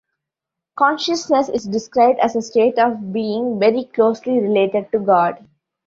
Consciousness is described as a state of being, very closely related to God.